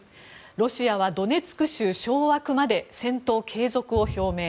ロシアはドネツク州掌握まで戦闘継続を表明。